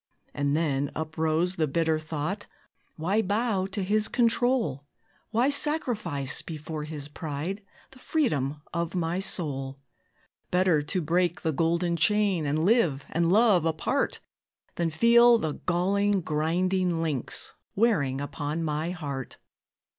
And then uprose the bitter thought, "Why bow to his control? Why sacrifice, before his pride, The freedom of my soul? Better to break the golden chain, And live and love apart, Than feel the galling, grinding links Wearing upon my heart."